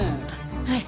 はい。